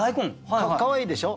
かわいいでしょう？